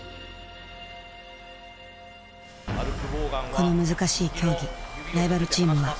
この難しい競技ライバルチームは。